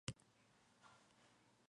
Las flores blancas se agrupan en umbelas.